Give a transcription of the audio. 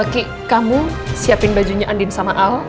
ki kamu siapin bajunya andin sama al